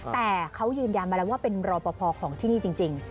แต่เขายืนยันมาแล้วว่าเป็นรอปภของที่นี่จริง